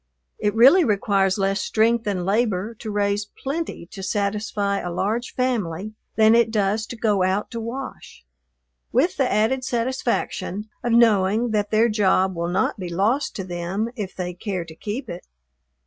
It really requires less strength and labor to raise plenty to satisfy a large family than it does to go out to wash, with the added satisfaction of knowing that their job will not be lost to them if they care to keep it.